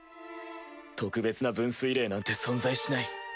特別な分水れいなんて存在しない！